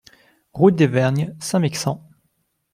Route des Vergnes, Saint-Mexant